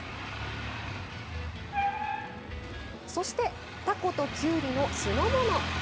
そしてたこときゅうりの酢の物。